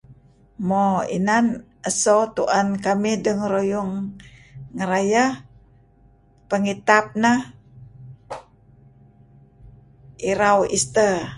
Mo inan eso tu'en kamih dengeruyung ngerayeh. Pengitap neh... Irau Easter.